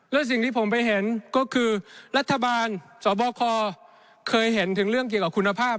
และสิ่งที่ผมไปเห็นก็คือรัฐบาลสบคเคยเห็นถึงเรื่องเกี่ยวกับคุณภาพ